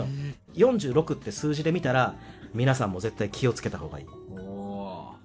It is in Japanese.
４６って数字で見たら皆さんも絶対気をつけた方がいい。